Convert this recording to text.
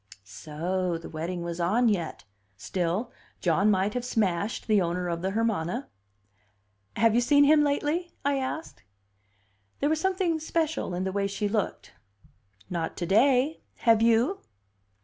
So the wedding was on yet. Still, John might have smashed the owner of the Hermana. "Have you seen him lately?" I asked. There was something special in the way she looked. "Not to day. Have you?"